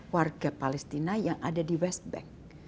warga palestina yang ada di west bank